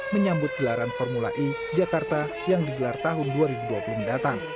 menyambut gelaran formula e jakarta yang digelar tahun dua ribu dua puluh mendatang